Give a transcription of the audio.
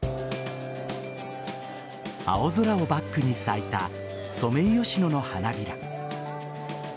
青空をバックに咲いたソメイヨシノの花びら。